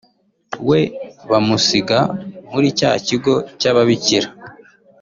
we bamusiga muri cya kigo cy’ababikira